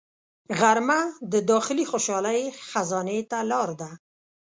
غرمه د داخلي خوشحالۍ خزانې ته لار ده